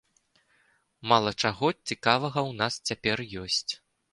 Мала чаго цікавага ў нас цяпер ёсць.